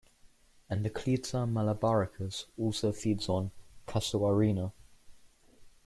"Endoclita malabaricus" also feeds on "Casuarina".